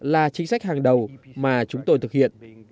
là chính sách hàng đầu mà chúng tôi thực hiện